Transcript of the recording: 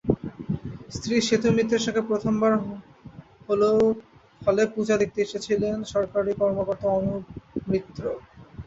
স্ত্রী সেতু মিত্রের সঙ্গে প্রথমবার হলে পূজা দেখতে এসেছেন সরকারি কর্মকর্তা অনুপ মিত্র।